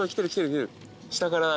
下から。